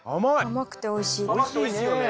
甘くておいしいよね。